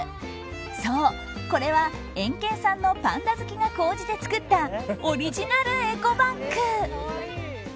そう、これはエンケンさんのパンダ好きが高じて作ったオリジナルエコバッグ。